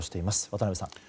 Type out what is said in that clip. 渡辺さん。